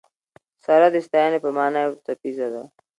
سره د ستاینې په مانا یو څپیزه ده.